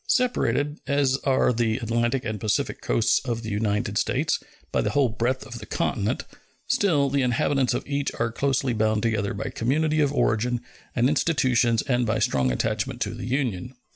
Separated, as are the Atlantic and Pacific coasts of the United States, by the whole breadth of the continent, still the inhabitants of each are closely bound together by community of origin and institutions and by strong attachment to the Union.